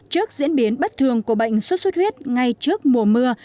trước diễn biến bất thường của bệnh sốt xuất huyết ngay trước mùa mưa